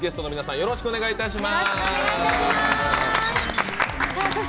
よろしくお願いします。